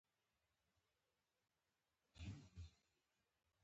د اقلیم بدلون د کښتونو د تخریب لامل کیږي.